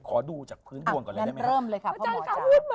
ขอดูจากพื้นดวงก่อนเลยได้ไหมอ่ะงั้นเริ่มเลยค่ะพ่อหมอจ้ามาเลย